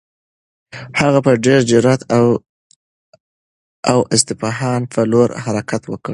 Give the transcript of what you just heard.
هغه په ډېر جرئت د اصفهان په لور حرکت وکړ.